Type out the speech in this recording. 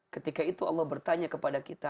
ketika itu allah bertanya kepada kita